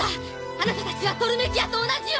あなたたちはトルメキアと同じよ！